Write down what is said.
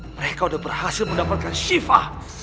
mereka udah berhasil mendapatkan shiva